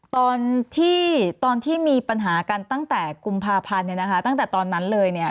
ตอนที่ตอนที่มีปัญหากันตั้งแต่กุมภาพันธ์เนี่ยนะคะตั้งแต่ตอนนั้นเลยเนี่ย